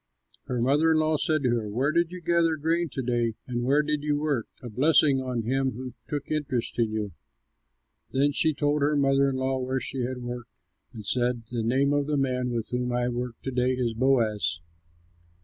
Her mother in law said to her, "Where did you gather grain to day and where did you work? A blessing on him who took interest in you!" Then she told her mother in law where she had worked, and said, "The name of the man with whom I worked to day is Boaz."